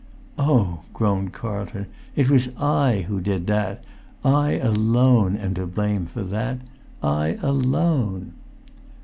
"Oh," groaned Carlton, "it was I who did that! I alone am to blame for that—I alone!"